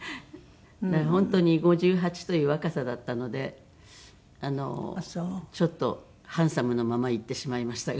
本当に５８という若さだったのでちょっとハンサムなまま逝ってしまいましたが。